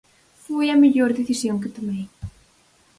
Foi a mellor decisión que tomei!